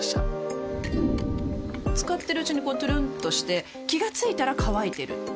使ってるうちにこうトゥルンとして気が付いたら乾いてる